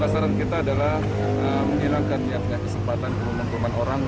pasaran kita adalah menghilangkan kesempatan kemengkuman orang